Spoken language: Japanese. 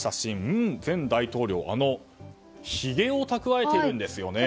文前大統領ひげを蓄えているんですね。